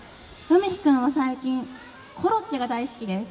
海陽くんは最近、コロッケが大好きです。